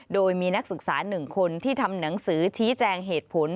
โดยมีนักศึกษา๑คนที่ทำหนังสือชี้แจงเหตุผล